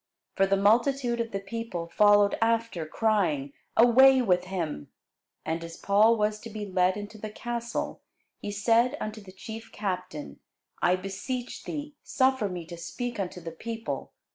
For the multitude of the people followed after, crying, Away with him. And as Paul was to be led into the castle, he said unto the chief captain, I beseech thee, suffer me to speak unto the people.